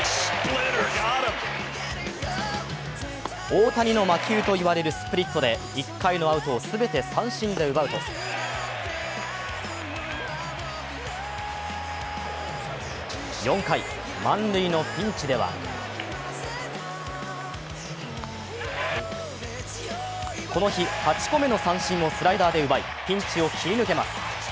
大谷の魔球と言われるスプリットで１回のアウトを全て三振で奪うと４回、満塁のピンチではこの日、８個目の三振をスライダーで奪いピンチを切り抜けます。